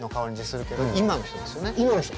今の人。